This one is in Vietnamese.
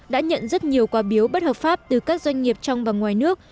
đã nhận rất nhiều quà biếu bất hợp pháp từ các doanh nghiệp trong và ngoài nước